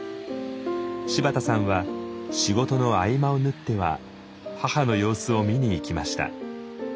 柴田さんは仕事の合間を縫っては母の様子を見に行きました。